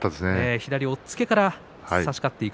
左押っつけから差し勝っていく。